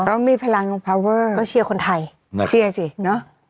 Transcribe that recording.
มีพลังของพาเวอร์ก็เชียร์คนไทยเชียร์สิเนอะ